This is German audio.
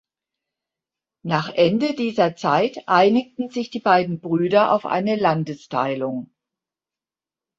Nach Ende dieser Zeit einigten sich die beiden Brüder auf eine Landesteilung.